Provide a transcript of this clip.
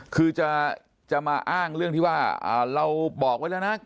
คือจะมาอ้างเรื่องที่ว่าเราบอกไว้แล้วนะ